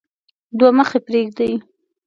دوه مخي پريږدي.